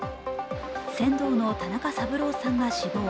船頭の田中三郎さんが死亡。